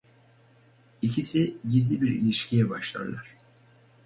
İkisi gizli bir ilişkiye başlarlar.